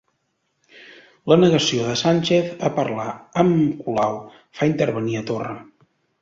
La negació de Sánchez a parlar amb Colau fa intervenir a Torra